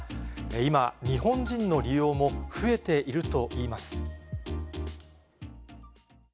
今、日本人の利用も増えているといいます。